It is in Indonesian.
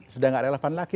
sudah gak relevan lagi